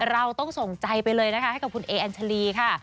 เราต้องส่งใจไปเลยนะคะให้กับคุณเออัญชาลีค่ะ